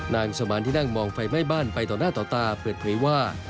สมานที่นั่งมองไฟไหม้บ้านไปต่อหน้าต่อตาเปิดเผยว่า